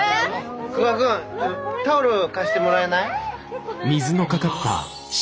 久我君タオル貸してもらえない？